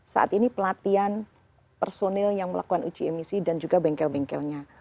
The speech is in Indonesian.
saat ini pelatihan personil yang melakukan uji emisi dan juga bengkel bengkelnya